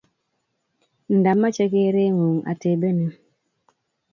Nda mache keree ng'ung' atebenin.